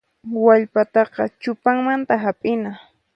Wallpataqa chupanmanta hap'ina.